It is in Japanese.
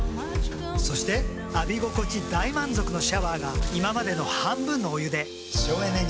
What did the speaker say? そして浴び心地大満足のシャワーが今までの半分のお湯で省エネに。